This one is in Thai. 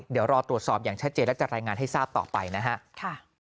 เดี๋ยวรอตรวจสอบอย่างชัดเจนและจะรายงานให้ทราบต่อไปนะครับ